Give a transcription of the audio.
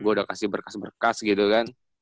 gua udah kasih berkas berkas gitu kan